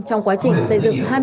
trong quá trình xây dựng